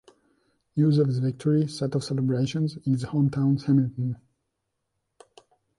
News of his victory set off celebrations in his home town Hamilton.